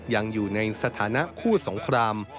ยังอยู่ในสถานะคู่สงคราม